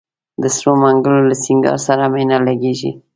د سرو منګولو له سینګار سره مي نه لګیږي